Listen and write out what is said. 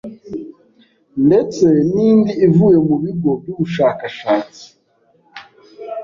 ndetse n'indi ivuye mu bigo by'ubushakashatsi